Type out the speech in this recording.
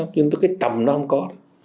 nhưng cái tầm đó không có